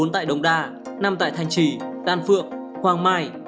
bốn tại đông đa năm tại thanh trì đan phượng hoàng mai